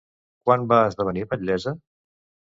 Quan va esdevenir batllessa?